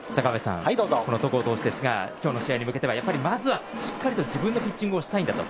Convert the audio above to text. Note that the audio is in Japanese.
戸郷投手ですが、今日の試合に向けてはまずはしっかりと自分のピッチングをしたいんだと。